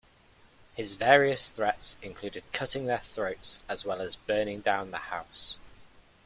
His various threats included cutting their throats as well as burning down the house.